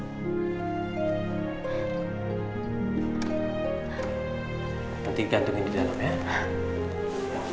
nanti gantungin di dalam ya